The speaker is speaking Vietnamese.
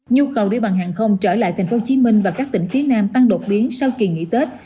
nhu cầu đi bằng hàng không trở lại tp hcm và các tỉnh phía nam tăng đột biến sau kỳ nghỉ tết